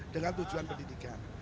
dengan tujuan pendidikan